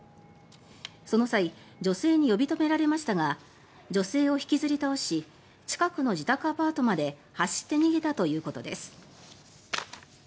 その際女性に呼び止められましたが女性を引きずり倒し近くの自宅アパートまで走って逃げたということです。